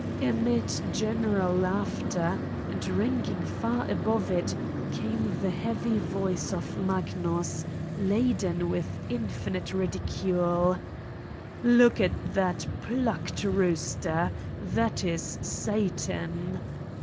Amid general laughter, and ringing far above it, came the heavy voice of Magnus, laden with infinite ridicule : "Look at the plucked rooster. That is Satan